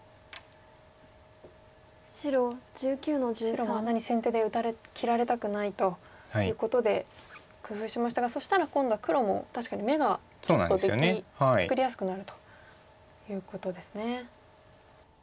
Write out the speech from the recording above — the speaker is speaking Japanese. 白もあんなに先手で切られたくないということで工夫しましたがそしたら今度は黒も確かに眼がちょっと作りやすくなるということですね。